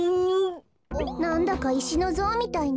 なんだかいしのぞうみたいね。